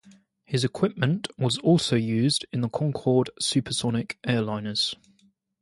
His equipment was also used in the Concorde supersonic airliners.